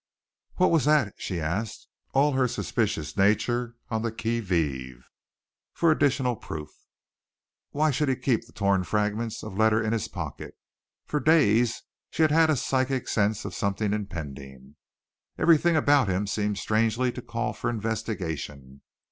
"What was that?" she asked, all her suspicious nature on the qui vive for additional proof. Why should he keep the torn fragments of a letter in his pocket? For days she had had a psychic sense of something impending. Everything about him seemed strangely to call for investigation.